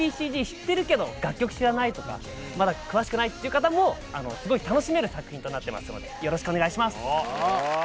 知ってるけど楽曲知らないとかまだ詳しくないっていう方もスゴい楽しめる作品となってますのでよろしくお願いします